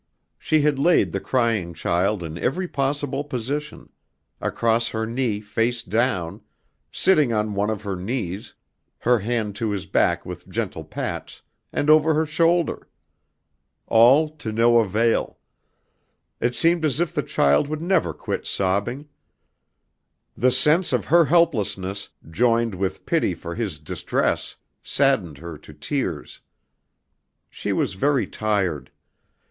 She had laid the crying child in every possible position, across her knee face down, sitting on one of her knees, her hand to his back with gentle pats, and over her shoulder. All to no avail. It seemed as if the child would never quit sobbing. The sense of her helplessness joined with pity for his distress saddened her to tears. She was very tired.